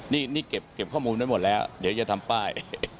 นี่เก็บข้อมูลไว้หมดแล้วเดี๋ยวจะทำป้าย